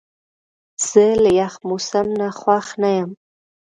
زه له یخ موسم نه خوښ نه یم.